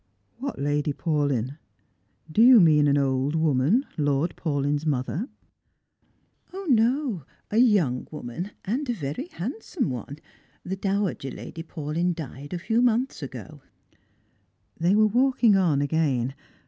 " What Lady Paulyn ? Do you mean an old woman, Lord Paulyn's mother ?"•• No, a young woman, and a very handsome one. The Dow ager Lady Paulyn died a few months ago." They were walking on again.